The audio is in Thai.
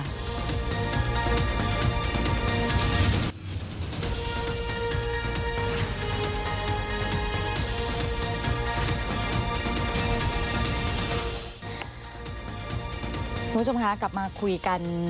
คุณผู้ชมคะกลับมาคุยกัน